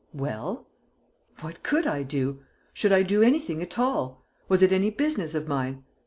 "Well?" "What could I do? Should I do anything at all? Was it any business of mine?